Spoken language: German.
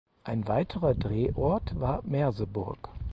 Ein weiterer Drehort war Merseburg.